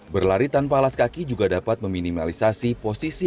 berlari tanpa alas kaki juga dapat meminimalisasi posisi